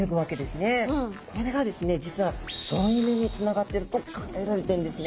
これがですね実は省エネにつながってると考えられてるんですね。